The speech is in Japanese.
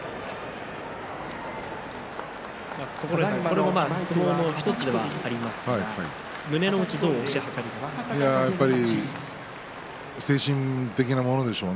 九重さん、これも相撲の１つではありますが胸のうちをどう推し量りますか。